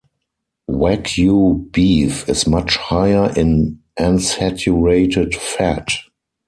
Wagyu beef is much higher in unsaturated fat.